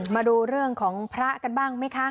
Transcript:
มาดูเรื่องของพระกันบ้างไหมคะ